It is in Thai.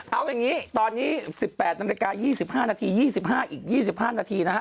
เอาอย่างนี้ตอนนี้๑๘นาฬิกา๒๕นาที๒๕อีก๒๕นาทีนะฮะ